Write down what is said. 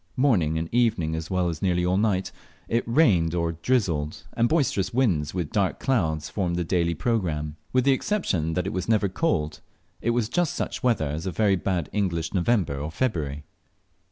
Morning and evening, as well as nearly all night, it rained or drizzled, and boisterous winds, with dark clouds, formed the daily programme. With the exception that it was never cold, it was just such weather as a very bad English November or February.